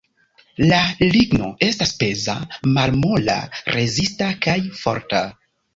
La ligno estas peza, malmola, rezista kaj forta.